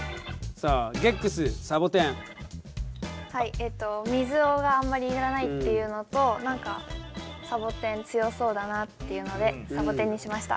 えっと水があんまりいらないっていうのと何かサボテン強そうだなっていうのでサボテンにしました。